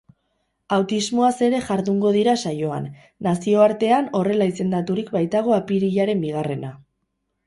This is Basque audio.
Autismoaz ere jardungo dira saioan, nazioartean horrela izendaturik baitago apirilaren bigarrena.